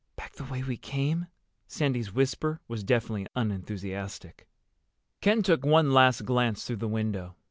"Back the way we came?" Sandy's whisper was definitely unenthusiastic. Ken took one last glance through the window.